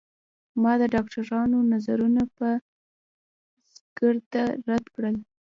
ما د ډاکترانو نظرونه په زغرده رد کړل.